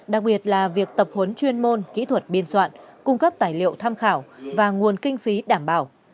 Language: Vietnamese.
đặc biệt là việc tập huấn chuyên môn kỹ thuật biên soạn cung cấp tài liệu tham khảo và nguồn kinh phí đảm bảo